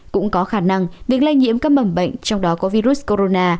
cũng có khả năng việc lây nhiễm các mầm bệnh trong đó có virus corona